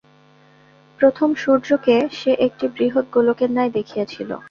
প্রথম সূর্যকে সে একটি বৃহৎ গোলকের ন্যায় দেখিয়াছিল।